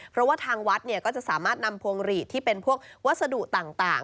เพราะว่าทางวัดก็จะสามารถนำพวงหลีดที่เป็นพวกวัสดุต่าง